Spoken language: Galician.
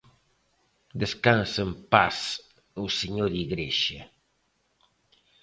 Descanse en paz o señor Igrexa.